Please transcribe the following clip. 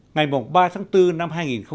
ngày ba tháng bốn năm hai nghìn tám